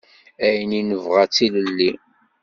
Ayen i nebɣa d tilelli.